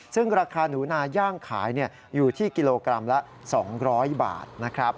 ซึ่งราคาหนูนาย่างขายอยู่ที่กิโลกรัมละ๒๐๐บาทนะครับ